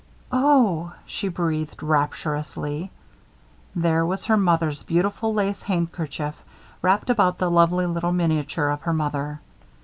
"Oh!" she breathed rapturously. There was her mother's beautiful lace handkerchief wrapped about the lovely little miniature of her mother.